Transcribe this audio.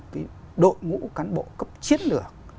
thiết lập lên một đội ngũ cán bộ cấp chiến lược